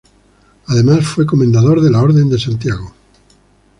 Además fue Comendador de la Orden de Santiago.